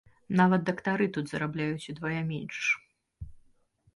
Нават дактары тут зарабляюць удвая менш.